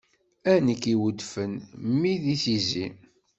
A nekk iweddfen mmi di tizi!